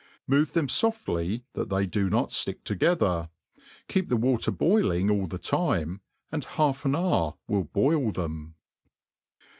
Move them foftly, that they do not ftick together ; keep the water boiling all the time^ and half an hour will boil them.